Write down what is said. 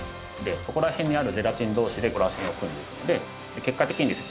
そこら辺にあるゼラチン同士でらせんを組んでいくので結果的にですね